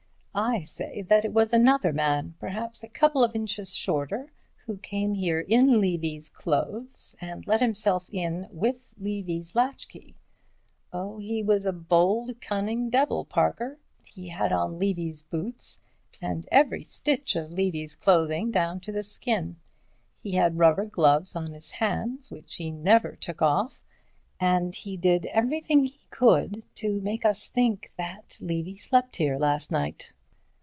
I say that it was another man, perhaps a couple of inches shorter, who came here in Levy's clothes and let himself in with Levy's latchkey. Oh, he was a bold, cunning devil, Parker. He had on Levy's boots, and every stitch of Levy's clothing down to the skin. He had rubber gloves on his hands which he never took off, and he did everything he could to make us think that Levy slept here last night.